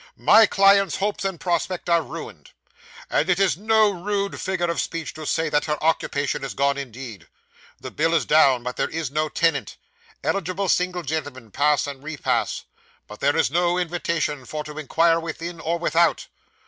My client's hopes and prospects are ruined, and it is no figure of speech to say that her occupation is gone indeed. The bill is down but there is no tenant. Eligible single gentlemen pass and repass but there is no invitation for to inquire within or without.